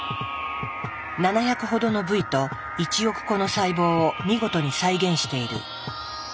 ７００ほどの部位と１億個の細胞を見事に再現している。